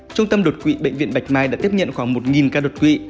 trung tâm đột quỵ bệnh viện bạch mai đã tiếp nhận khoảng một ca đột quỵ